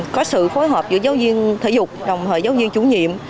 có sự phối hợp giữa giáo viên thể dục đồng thời giáo viên chủ nhiệm